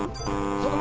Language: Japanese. その前。